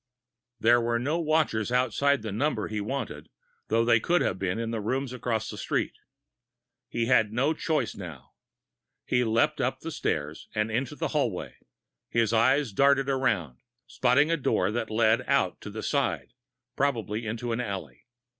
There were no watchers outside the number he wanted, though they could have been in rooms across the street. He had no choice, now. He leaped up the steps and into the hallway. His eyes darted around, spotting a door that led out to the side, probably into an alley.